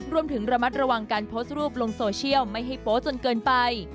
รวมถึงระมัดระวังการโพสต์รูปลงโซเชียลไม่ให้โป๊จนเกินไป